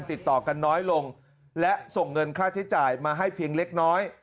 ติดต่อกันน้อยลงและส่งเงินค่าใช้จ่ายมาให้เพียงเล็กน้อย